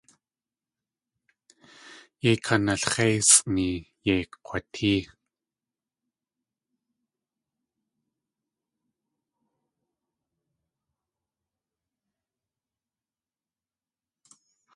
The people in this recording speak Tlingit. Yéi analx̲éisʼni, yéi kg̲watée.